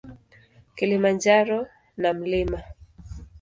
Kilimanjaro na Mt.